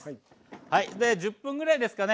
で１０分ぐらいですかね。